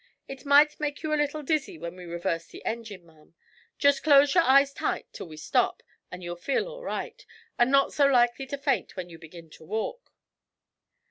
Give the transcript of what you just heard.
'It might make you a little dizzy when we reverse the engine, ma'am. Just close your eyes tight until we stop, and you'll feel all right, and not so likely to faint when you begin to walk.'